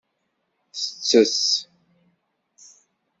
Tettess.